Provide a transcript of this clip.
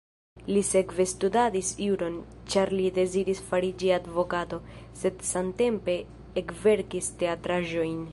Li sekve studadis juron, ĉar li deziris fariĝi advokato, sed samtempe ekverkis teatraĵojn.